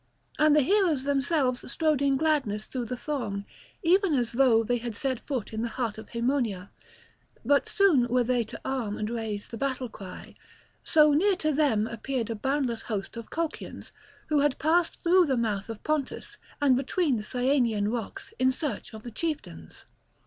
And the heroes themselves strode in gladness through the throng, even as though they had set foot in the heart of Haemonia; but soon were they to arm and raise the battle cry; so near to them appeared a boundless host of Colchians, who had passed through the mouth of Pontus and between the Cyanean rocks in search of the chieftains.